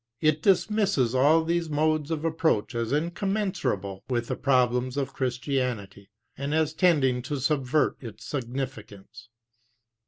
It dismisses all these moctes of approach as incommensurable with the problem of Christianity, and as tending to subvert its significance.